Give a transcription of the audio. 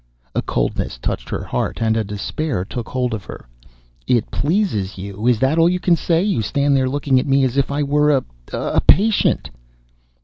A coldness touched her heart and a despair took hold of her. "It pleases you! Is that all you can say? You stand there looking at me as if I were a a patient